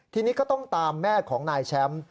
ทีนี้ก็ต้องตามแม่ของนายแชมป์